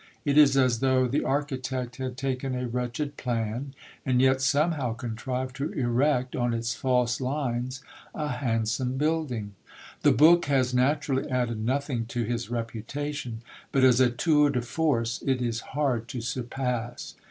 It is as though the architect had taken a wretched plan and yet somehow contrived to erect on its false lines a handsome building. The book has naturally added nothing to his reputation, but as a tour de force it is hard to surpass.